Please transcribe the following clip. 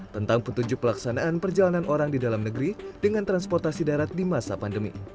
tentang petunjuk pelaksanaan perjalanan orang di dalam negeri dengan transportasi darat di masa pandemi